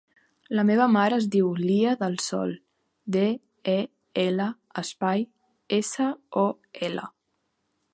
La meva mare es diu Lia Del Sol: de, e, ela, espai, essa, o, ela.